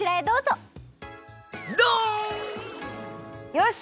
よし。